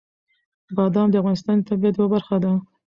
بادام د افغانستان د طبیعت یوه برخه ده.